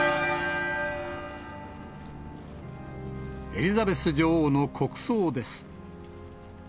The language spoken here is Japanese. エリザベス女王の国葬です。